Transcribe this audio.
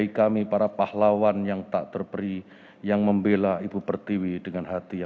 doa bersama dipimpin oleh menteri agama republik indonesia